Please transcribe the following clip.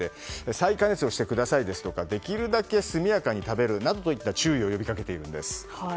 再加熱をしてくださいとかできるだけ速やかに食べるなどといった注意を呼びかけているんです。